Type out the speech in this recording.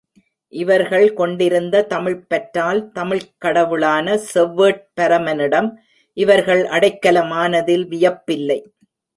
இவர்கள் கொண்டிருந்த தமிழ்ப் பற்றால் தமிழ்க் கடவுளான செவ்வேட் பரமனிடம் இவர்கள் அடைக்கலமானதில் வியப்பில்லை.